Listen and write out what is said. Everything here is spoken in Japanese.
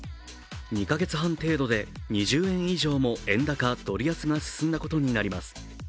２か月半程度で２０円以上も円高・ドル安が進んだことになります。